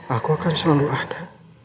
aku akan selalu ada